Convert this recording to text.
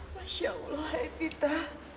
masya allah evita